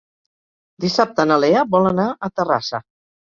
Dissabte na Lea vol anar a Terrassa.